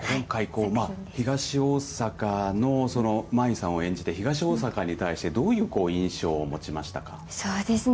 今回、東大阪の、舞さんを演じて、東大阪に対してどういう印そうですね。